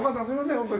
すみません。